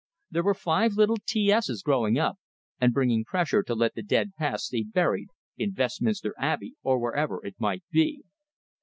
There were five little T S's growing up, and bringing pressure to let the dead past stay buried, in Vestminster Abbey or wherever it might be.